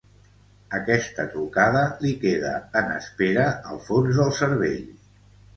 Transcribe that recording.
Aquesta trucada li queda en espera al fons del cervell.